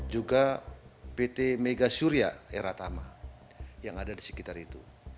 juga pt megasyuria eratama yang ada di sekitar itu